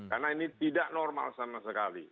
karena ini tidak normal sama sekali